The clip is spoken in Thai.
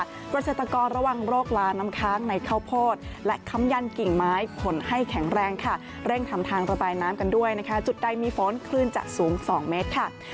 เกษตรกรระวังโรคลาน้ำค้างในข้าวโพดและคำยันกิ่งไม้ขนให้แข็งแรงค่ะเร่งทำทางระบายน้ำกันด้วยนะคะจุดใดมีฝนคลื่นจะสูง๒เมตรค่ะ